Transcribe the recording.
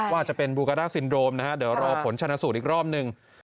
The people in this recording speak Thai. ว่าจะเป็นบูการ่าซินโดมนะฮะเดี๋ยวรอผลชนะสูตรอีกรอบหนึ่ง